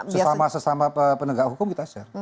sesama sesama penegak hukum kita share